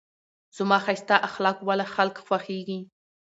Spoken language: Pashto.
زما ښایسته اخلاقو واله خلک خوښېږي.